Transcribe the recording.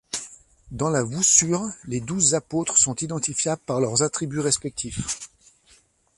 Dans la voussure, les douze apôtres sont identifiables par leurs attributs respectifs.